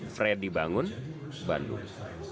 fredy bangun bandung